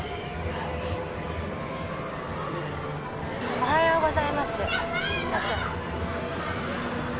おはようございます社長。